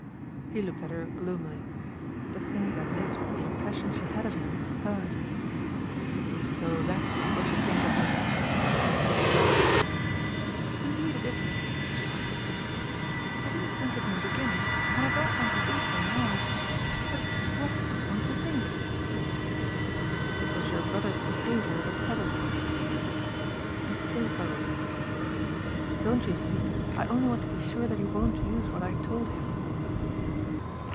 He looked at her gloomily. To think that this was the impression she had of him hurt. "So that's what you think of me," he said slowly. "Indeed it isn't," she answered quickly. "I didn't think it in the beginning and I don't want to do so now, but what was one to think?" "It was your brother's behaviour that puzzled me," he said, "and still puzzles me. Don't you see I only want to be sure that he won't use what I told him?"